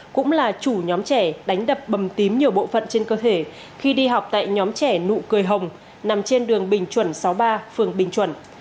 cũng là chủ nhóm trẻ đánh đập bầm tím nhiều bộ phận trên cơ thể khi đi học tại nhóm trẻ nụ cười hồng nằm trên đường bình chuẩn sáu mươi ba phường bình chuẩn